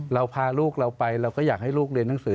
เราพาลูกเราไปเราก็อยากให้ลูกเรียนหนังสือ